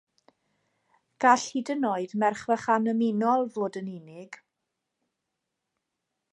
Gall hyd yn oed merch fach annymunol fod yn unig.